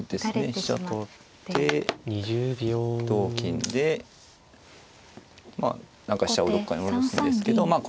飛車取って同金でまあ何か飛車をどっかに下ろすんですけどまあ